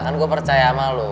kan gue percaya sama lo